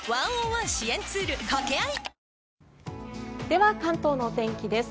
では、関東のお天気です。